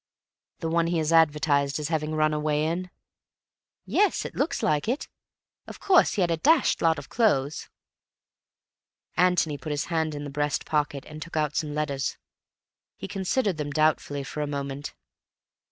"The one he is advertised as having run away in?" "Yes. It looks like it. Of course he had a dashed lot of clothes." Antony put his hand in the breast pocket and took out some letters. He considered them doubtfully for a moment.